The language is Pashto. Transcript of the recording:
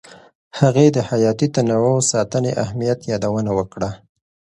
هغې د حیاتي تنوع ساتنې اهمیت یادونه وکړه.